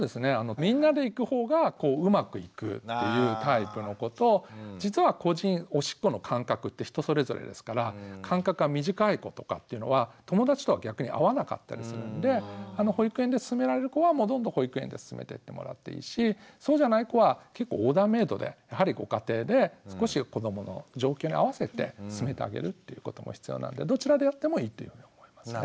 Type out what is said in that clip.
みんなで行く方がうまくいくっていうタイプの子と実は個人おしっこの間隔って人それぞれですから間隔が短い子とかっていうのは友達とは逆に合わなかったりするので保育園で進められる子はどんどん保育園で進めてってもらっていいしそうじゃない子は結構オーダーメイドでやはりご家庭で少し子どもの状況に合わせて進めてあげるっていうことも必要なんでどちらでやってもいいというふうに思いますね。